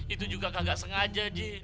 itu juga kagak sengaja ji